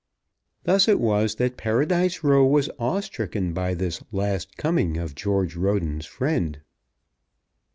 Thus it was that Paradise Row was awe stricken by this last coming of George Roden's friend.